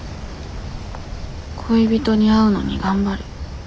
恋人に会うのに頑張る。